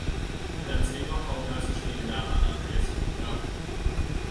Medencéje a Kaukázus déli lábánál helyezkedik el.